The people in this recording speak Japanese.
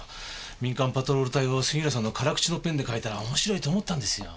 民間パトロール隊を杉浦さんの辛口のペンで書いたら面白いと思ったんですよ。